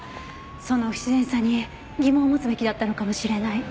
その不自然さに疑問を持つべきだったのかもしれない。